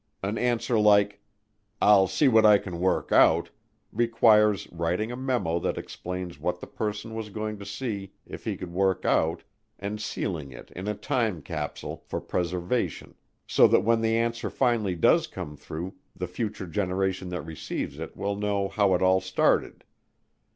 An answer like, "I'll see what I can work out," requires writing a memo that explains what the person was going to see if he could work out and sealing it in a time capsule for preservation so that when the answer finally does come through the future generation that receives it will know how it all started.